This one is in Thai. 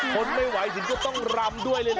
คนไม่ไหวเสร็จก็ต้องลำด้วยเลยเหรอ